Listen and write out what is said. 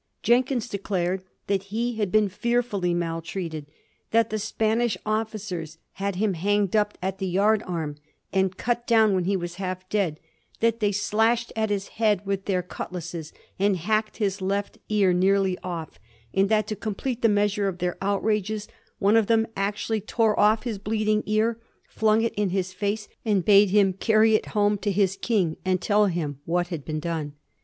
Jenkins declared that he had been fearfully maltreated ; that the Spanish officers had him hanged up at the yard arm and cut down when he was half dead; that they slashed at his head with their cutlasses and hacked his left ear nearly off ; and that, to complete the measure of their outrages, one of them actually tore off his bleeding ear, flung it in his face, and bade him carry it home to his king and tell him what had been done.